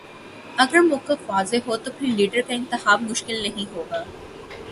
اگر موقف واضح ہو تو پھر لیڈر کا انتخاب مشکل نہیں ہو گا۔